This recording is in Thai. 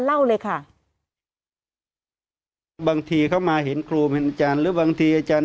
ฮ่าฮ่าฮ่าฮ่าฮ่าฮ่าฮ่าฮ่าฮ่าฮ่าฮ่า